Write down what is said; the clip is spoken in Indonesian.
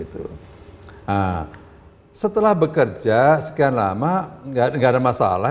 nah setelah bekerja sekian lama nggak ada masalah